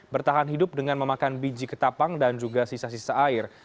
bertahan hidup dengan memakan biji ketapang dan juga sisa sisa air